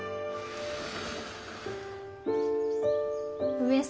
上様。